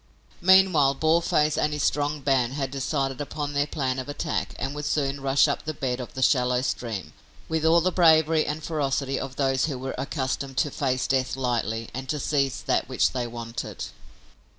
Meanwhile, Boarface and his strong band had decided upon their plan of attack and would soon rush up the bed of the shallow stream with all the bravery and ferocity of those who were accustomed to face death lightly and to seize that which they wanted.